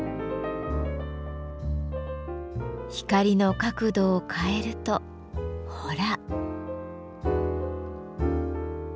光の角度を変えるとほら。